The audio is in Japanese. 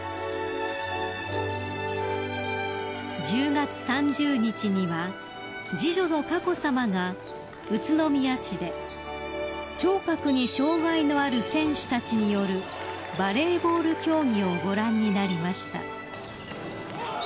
［１０月３０日には次女の佳子さまが宇都宮市で聴覚に障害のある選手たちによるバレーボール競技をご覧になりました］